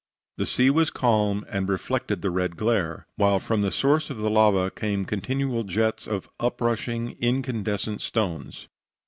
The sea was calm, and reflected the red glare; while from the source of the lava came continual jets of uprushing incandescent stones.